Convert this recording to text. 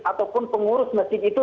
ataupun pengurus masjid itu